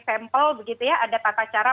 sampel ada tata cara